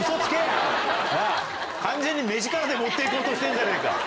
完全に。で持って行こうとしてんじゃねえか！